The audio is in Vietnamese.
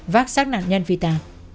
vác sát nạn nhân vì ta